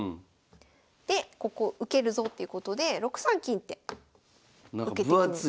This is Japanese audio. でここ受けるぞっていうことで６三金って受けてくる。